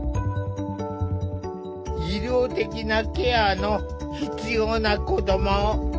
医療的なケアの必要な子ども。